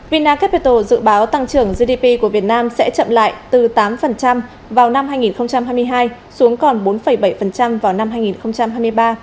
vinacapital dự báo tăng trưởng gdp của việt nam sẽ chậm lại từ tám vào năm hai nghìn hai mươi hai xuống còn bốn bảy vào năm hai nghìn hai mươi ba